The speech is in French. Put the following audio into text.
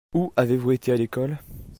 Où avez-vous été à l'école ?